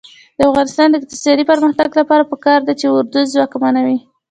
د افغانستان د اقتصادي پرمختګ لپاره پکار ده چې اردو ځواکمنه وي.